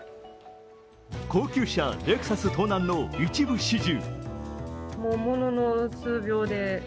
高級車レクサス盗難の一部始終。